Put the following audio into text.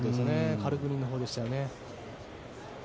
カルグニンのほうでしたよね。